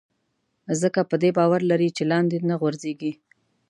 ځکه په دې باور لري چې لاندې نه غورځېږي.